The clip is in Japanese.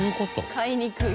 買いにくい。